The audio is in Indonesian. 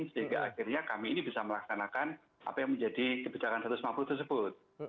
sehingga akhirnya kami ini bisa melaksanakan apa yang menjadi kebijakan satu ratus lima puluh tersebut